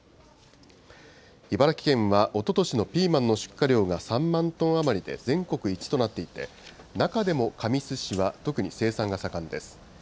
茨城県はおととしのピーマンの出荷量が３万トン余りで全国一となっていて、中でも神栖市は特に生産が盛んです。